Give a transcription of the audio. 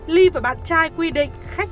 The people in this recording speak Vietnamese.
ly và bạn trai quy định